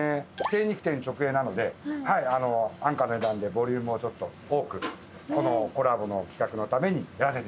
精肉店直営なので安価な値段でボリュームをちょっと多くこのコラボの企画のためにやらせていただいてます。